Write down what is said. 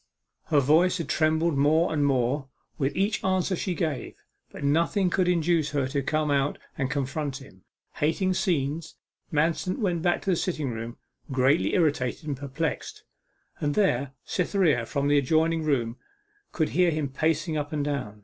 Her voice had trembled more and more at each answer she gave, but nothing could induce her to come out and confront him. Hating scenes, Manston went back to the sitting room, greatly irritated and perplexed. And there Cytherea from the adjoining room could hear him pacing up and down.